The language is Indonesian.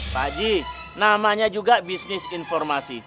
pak haji namanya juga bisnis informasi